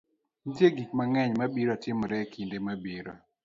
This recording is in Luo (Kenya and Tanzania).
Nitie gik mang'eny ma biro timore e kinde mabiro.